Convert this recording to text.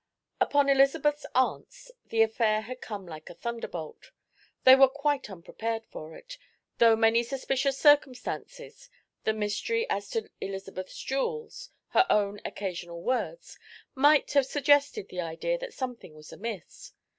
Upon Elizabeth's aunts the affair had come like a thunderbolt. They were quite unprepared for it, though many suspicious circumstances the mystery as to Elizabeth's jewels, her own occasional words might have suggested the idea that something was amiss.